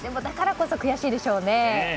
だからこそ悔しいでしょうね。